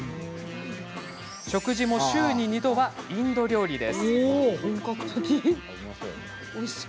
食事も週に２度はインド料理に。